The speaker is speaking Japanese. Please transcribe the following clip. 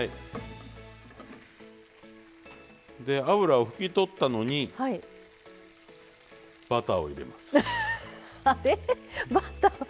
脂を拭き取ったのにバターを入れます。